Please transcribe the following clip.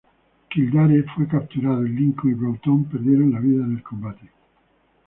Kildare fue capturado y Lincoln y Broughton perdieron la vida en el combate.